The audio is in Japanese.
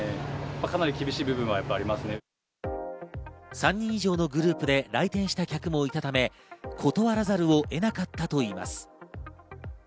３人以上のグループで来店した客もいたため、断らざるを得なかったといいます。